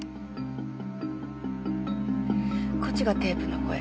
こっちがテープの声。